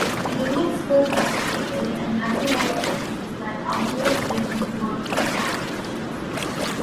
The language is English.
Eunuchs were castrated and had to work indoors while outdoor slaves worked in plantations.